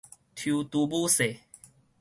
抽豬母稅